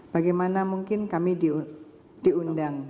bagaimana mungkin kami diundang